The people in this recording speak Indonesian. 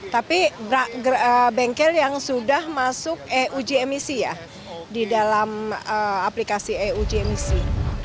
tapi bengkel yang sudah masuk uji emisi ya di dalam aplikasi euj emisi